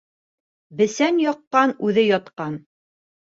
Бесән яҡҡан, үҙе ятҡан.